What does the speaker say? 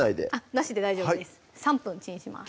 なしで大丈夫です３分チンします